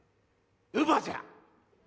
乳母じゃ。